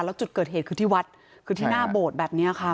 แล้วจุดเกิดเหตุคือที่วัดคือที่หน้าโบสถ์แบบนี้ค่ะ